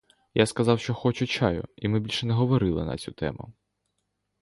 Я сказав, що хочу чаю, і ми більше не говорили на цю тему.